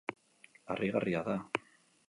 Harrigarria da.